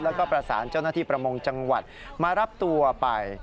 แล้วก็ประสานเจ้าหน้าที่ประมงจังหวัดมารับตัวไป